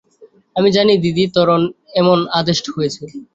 আমি জানি দিদি তোর এমন আদেষ্ট হয়েছে।